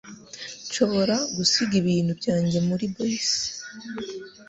Nshobora gusiga ibintu byanjye muri bisi?